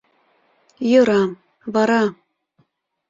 — Йӧра... вара!